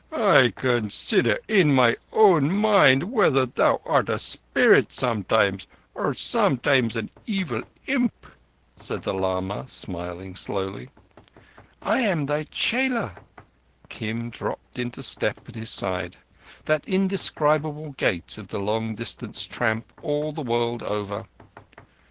"I consider in my own mind whether thou art a spirit, sometimes, or sometimes an evil imp," said the lama, smiling slowly. "I am thy chela." Kim dropped into step at his side—that indescribable gait of the long distance tramp all the world over.